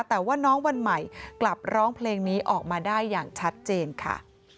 แต่ว่าน้องวันใหม่กลับร้องเพลงนี้ออกมาได้อย่างชัดเจนค่ะ